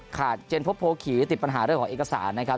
เจนพบโพขี่ติดปัญหาเรื่องของเอกสารนะครับ